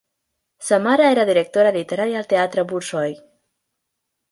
Sa mare era directora literària al Teatre Bolxoi.